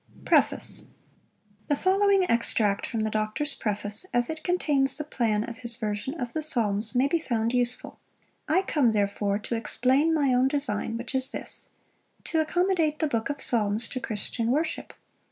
PREFACE. THE following extract from the Doctor's Preface, as it contains the plan of his version of the Psalms, may be found useful: "I come therefore to explain my own design, which is this, To accommodate the book of Psalms to Christian worship.